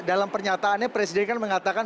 dalam pernyataannya presiden kan mengatakan